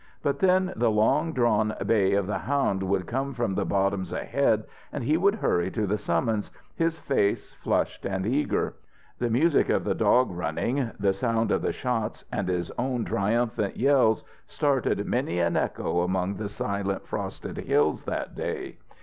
But then the long drawn bay of the hound would come from the bottoms ahead, and he would hurry to the summons, his face flushed and eager. The music of the dog running, the sound of the shots, and his own triumphant yells started many an echo among the silent frosted hills that day.